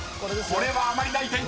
これはあまりない展開］